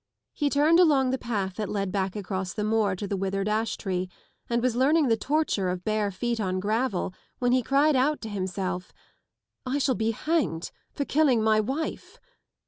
He turned along the path that led back across the moor to the withered ash tree, and was learning the torture of bare feet ou gravel when he cried out to himself :'* I shall be hanged for killing my wife."